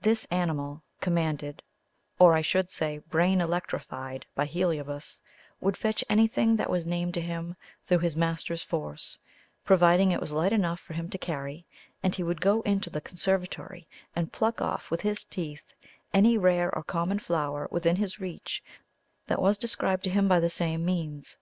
This animal, commanded or, I should say, brain electrified by Heliobas, would fetch anything that was named to him through his master's force, providing it was light enough for him to carry; and he would go into the conservatory and pluck off with his teeth any rare or common flower within his reach that was described to him by the same means.